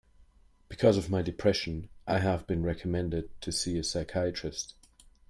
Because of my depression, I have been recommended to see a psychiatrist.